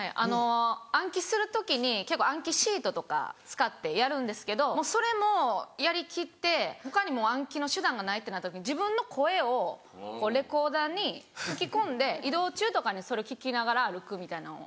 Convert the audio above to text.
暗記する時に暗記シートとか使ってやるんですけどそれもやりきって他に暗記の手段がないってなった時に自分の声をレコーダーに吹き込んで移動中とかにそれを聴きながら歩くみたいなんをやってたんですよ。